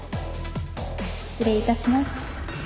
失礼いたします。